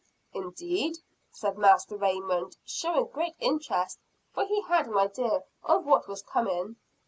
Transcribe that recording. "Indeed!" said Master Raymond showing great interest for he had an idea of what was coming.